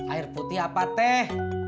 air putih apa teh